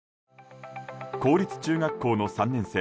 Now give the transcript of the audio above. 公立中学校の３年生